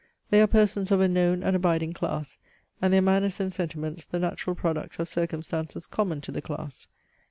They are persons of a known and abiding class, and their manners and sentiments the natural product of circumstances common to the class.